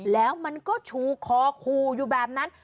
แล้วมันก็ชูคอคู่อยู่แบบนั้น